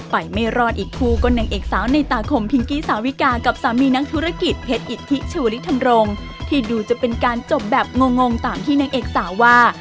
ไปไม่รอดอีกคู่ก็นางเอกสาวในตาคมพิงกี้สาวิกากับสามีนักธุรกิจเพชรอิทธิชุริธรรมรงค์ที่ดูจะเป็นการจบแบบงงตามที่นางเอกสาวว่า